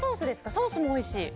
ソースもおいしい。